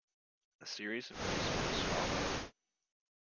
A series of musicals followed.